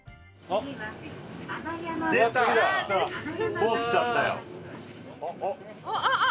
あっ！